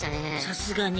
さすがに。